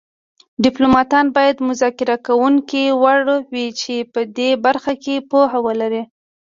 ډیپلوماتان باید مذاکره کوونکي وړ وي چې په دې برخه کې پوهه ولري